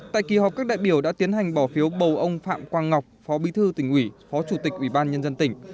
tại kỳ họp các đại biểu đã tiến hành bỏ phiếu bầu ông phạm quang ngọc phó bí thư tỉnh ủy phó chủ tịch ủy ban nhân dân tỉnh